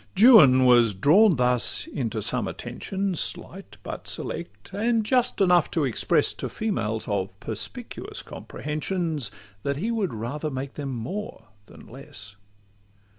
Juan was drawn thus into some attentions, Slight but select, and just enough to express, To females of perspicuous comprehensions, That he would rather make them more than less.